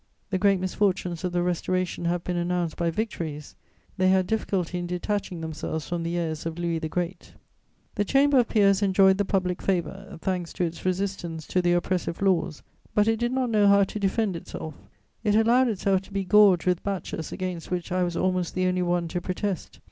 The great misfortunes of the Restoration have been announced by victories; they had difficulty in detaching themselves from the heirs of Louis the Great. [Sidenote: The Chambers.] The Chamber of Peers enjoyed the public favour, thanks to its resistance to the oppressive laws; but it did not know how to defend itself: it allowed itself to be gorged with batches against which I was almost the only one to protest.